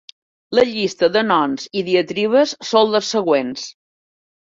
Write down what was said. La llista de noms i diatribes són les següents.